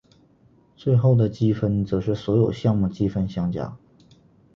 最后的积分则是所有项目积分相加。